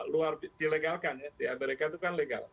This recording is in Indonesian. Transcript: luar biasa di legalkan ya di amerika itu kan legal